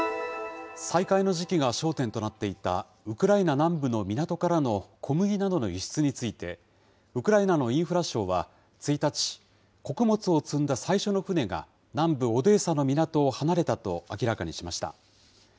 再開の時期が焦点となっていた、ウクライナ南部の港からの小麦などの輸出について、ウクライナのインフラ相は１日、穀物を積んだ最初の船が、南部オデーサの港を離れたと明らかにしました。